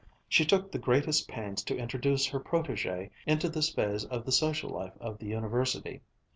She took the greatest pains to introduce her protégée into this phase of the social life of the University.